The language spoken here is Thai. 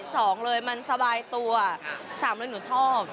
สองเลยมันสบายตัวสามเลยหนูชอบ